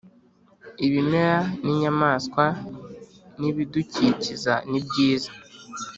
Ibimera n’inyamaswa nibidukikiza nibyiza